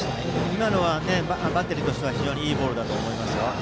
今のはバッテリーとしては非常にいいボールだと思いますよ。